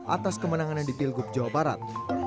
atas kemenangan yang dipilgup jawa barat